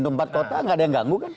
tempat kota nggak ada yang ganggu kan